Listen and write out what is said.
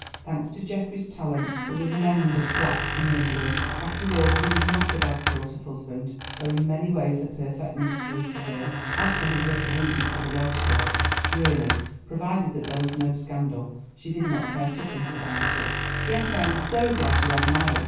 thanks to Geoffrey's talents, there was an end of flats and misery. After all, he was not a bad sort of husband, though in many ways a perfect mystery to her. As for his little weakness for the Welsh girl, really, provided that there was no scandal, she did not care twopence about it. "Yes, I am so glad you admire it.